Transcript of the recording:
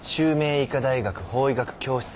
医科大学法医学教室の助教。